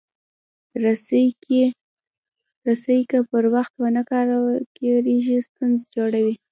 رسۍ که پر وخت ونه کارېږي، ستونزه جوړوي.